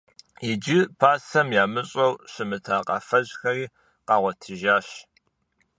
Иджы пасэм ящӀэу щымыта къафэжьхэри къагъуэтыжащ.